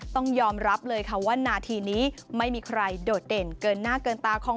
ต้องยอมรับเลยค่ะว่านาทีนี้ไม่มีใครโดดเด่นเกินหน้าเกินตาของ